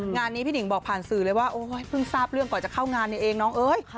งานนี้พี่หนิงบอกผ่านสื่อเลยว่าเพิ่งทราบเรื่องก่อนจะเข้างานนี่เองน้องเอ้ย